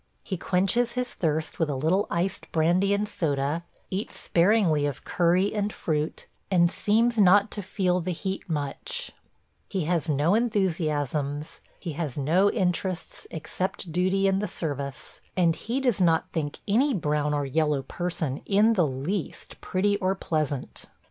He quenches his thirst with a little iced brandy and soda, eats sparingly of curry and fruit, and seems not to feel the heat much He has no enthusiasms, he has no interests except duty and the service, and he does not think any brown or yellow person in the least pretty or pleasant.